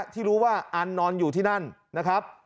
ที่รู้ว่าอันนอนอยู่ที่นั่นนะครับ